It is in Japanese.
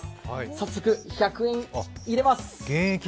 早速１００円入れます。